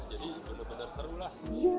jadi bener bener seru lah